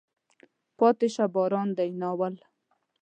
پاتې شه باران دی. ناول